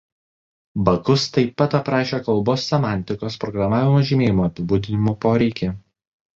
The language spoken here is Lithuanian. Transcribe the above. Bakus taip pat aprašė kalbos semantikos programavimo žymėjimo apibūdinimo poreikį.